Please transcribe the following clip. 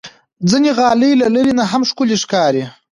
ځینې غالۍ له لرې نه هم ښکلي ښکاري.